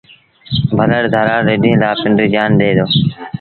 ڀلڙ ڌرآڙ رڍينٚ لآ پنڊريٚ جآن ڏي دو۔